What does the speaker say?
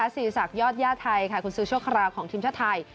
ศรีศักดิ์ยอดย่าไทยคุณศึกโชคราวของทีมชาติไทย